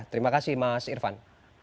terima kasih mas irfan